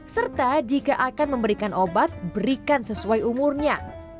serta jika akan memberikan obat berikan sesuai umurnya